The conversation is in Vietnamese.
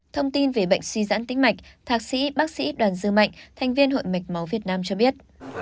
thông tin về bệnh suy giãn tính mạch thạc sĩ bác sĩ đoàn dư mạnh thành viên hội mạch máu việt nam cho biết